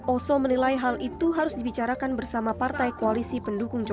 oso menilai hal itu harus dibicarakan bersama partai koalisi pendukung jokowi